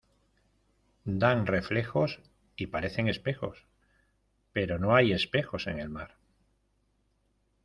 dan reflejos y parecen espejos, pero no hay espejos en el mar.